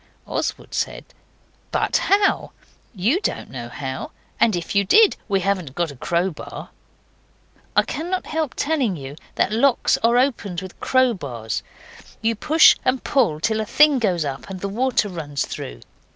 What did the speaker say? Oswald said, 'But how? YOU don't know how. And if you did we haven't got a crowbar.' I cannot help telling you that locks are opened with crowbars. You push and push till a thing goes up and the water runs through.